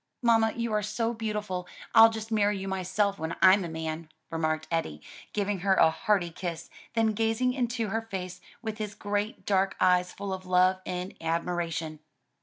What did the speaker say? "Mamma, you are so beautiful, I'll just marry you myself, when I'm a man," remarked Eddie, giving her a hearty kiss, then gazing into her face with his great dark eyes full of love and admiration.